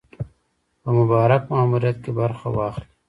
په مبارک ماموریت کې برخه واخلي.